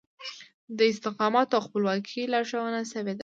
د استقامت او خپلواکي لارښوونه شوې ده.